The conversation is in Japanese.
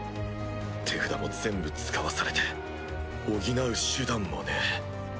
手札も全部使わされて補う手段もねえ。